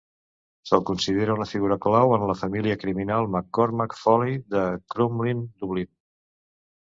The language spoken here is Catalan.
Se'l considera una figura clau en la família criminal McCormack-Foley de Crumlin (Dublín).